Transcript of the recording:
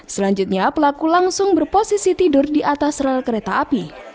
selanjutnya pelaku langsung berposisi tidur di atas rel kereta api